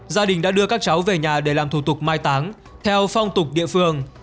gia đình đã đưa các cháu về nhà để làm thủ tục mai táng theo phong tục địa phương